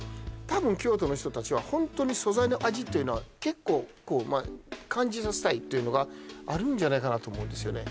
多分京都の人達はホントに素材の味っていうのは結構感じさせたいというのがあるんじゃないかなと思うんですよね